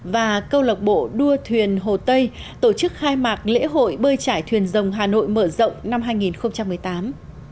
và câu lạc bộ đua thuyền hồ tây tổ chức khai mạc lễ hội bơi trải thuyền rồng hà nội mở rộng năm hai nghìn một mươi tám